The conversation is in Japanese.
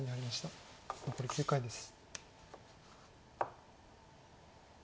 残り９回です。